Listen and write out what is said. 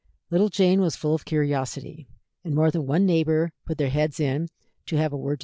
Little Jane was full of curiosity, and more than one neighbor put their heads in to have a word to say.